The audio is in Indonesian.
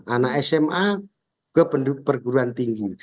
anak sma ke perguruan tinggi